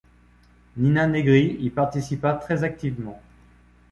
Nina Negri y participa très activement.